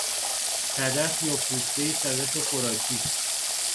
صدف یا پوستهی صدف خوراکی